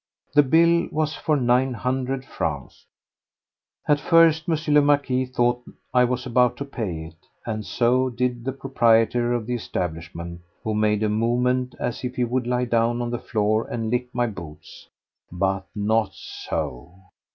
The bill was for nine hundred francs. At first M. le Marquis thought that I was about to pay it—and so did the proprietor of the establishment, who made a movement as if he would lie down on the floor and lick my boots. But not so.